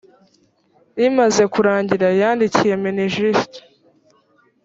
rimaze kurangira yandikiye minijust